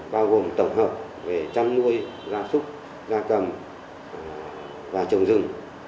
bao gồm tổng hợp về trăn nuôi ra súc ra cầm và trồng rừng